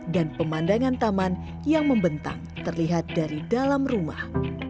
dan pemandangan taman yang membentang terlihat dari dalam rumah